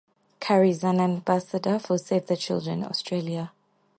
Curry is an Ambassador for Save the Children Australia.